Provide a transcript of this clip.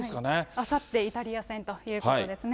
あさって、イタリア戦ということですね。